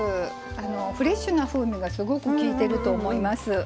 フレッシュな風味がすごくきいてると思います。